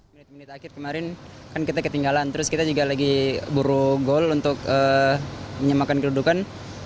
menit menit akhir kemarin kan kita ketinggalan terus kita juga lagi buru gol untuk menyemakan kedudukan